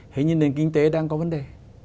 hình như nền kinh tế đang có vấn đề